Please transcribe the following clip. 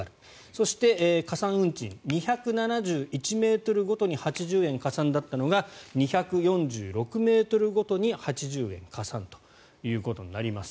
そして加算運賃２７１ｍごとに８０円加算だったのが２４６ｍごとに８０円加算ということになります。